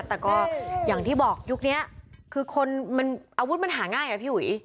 แต่ก็อย่างที่บอกยุคนี้คือคนมันอาวุธมันหาง่ายอะพี่อุ๋ย